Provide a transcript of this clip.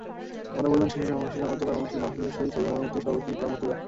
মানববন্ধন শেষে সমাবেশে সভাপতিত্ব করেন বাংলাদেশ মাংস ব্যবসায়ী সমিতির সভাপতি গোলাম মুর্তুজা।